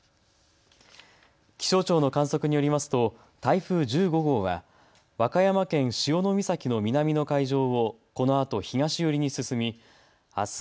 気象庁の観測によりますと台風１５号は和歌山県潮岬の南の海上をこのあと東寄りに進みあす